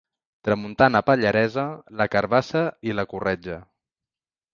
Tramuntana pallaresa, la carabassa i la corretja.